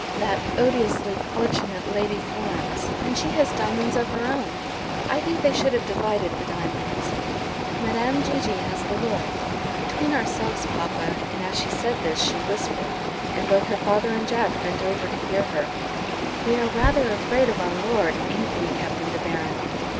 "That odiously fortunate Lady Florence; and she has diamonds of her own! I think they should have divided the diamonds. Madame Gigi has the Lord. Between ourselves, papa," and as she said this she whispered, and both her father and Jack bent over to hear her "we are rather afraid of our Lord; ain't we, Captain De Baron?